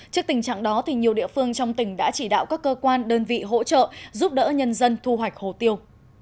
trước tình trạng đó nhiều địa phương trong tỉnh đã chỉ đạo các cơ quan đơn vị hỗ trợ giúp đỡ nhân dân thu hoạch hồ tiêu